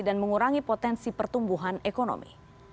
dan mengurangi potensi pertumbuhan ekonomi